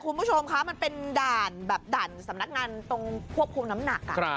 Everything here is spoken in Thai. คุณผู้ชมคะมันเป็นด่านแบบด่านสำนักงานตรงควบคุมน้ำหนัก